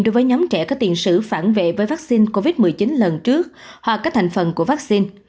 đối với nhóm trẻ có tiền sử phản vệ với vaccine covid một mươi chín lần trước hoặc các thành phần của vaccine